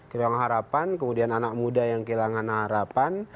kehilangan harapan kemudian anak muda yang kehilangan harapan